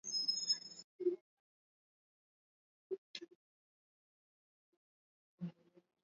Kiwango cha kusababisha vifo kwa ugonjwa wa majimoyo